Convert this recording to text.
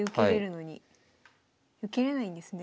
受けれないんですね。